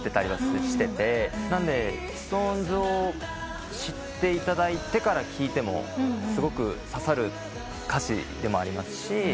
なんでＳｉｘＴＯＮＥＳを知っていただいてから聴いてもすごく刺さる歌詞でもありますし。